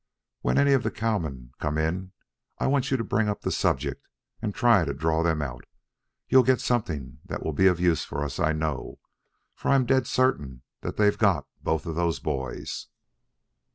When any of the cowmen come in, I want you to bring up the subject and try to draw them out. You'll get something that will be of use to us, I know, for I'm dead certain that they've got both of those boys."